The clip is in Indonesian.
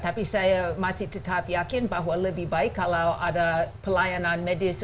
tapi saya masih tetap yakin bahwa lebih baik kalau ada pelayanan medis